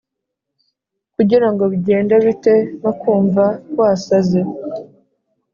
Kugira ngo bigende bite konumva wasaze